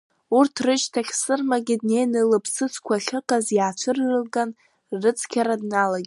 Урҭ рышьҭахь Сырмагьы днеин лыԥсыӡқәа ахьыҟаз иаацәырылган, ррыцқьара дналагеит.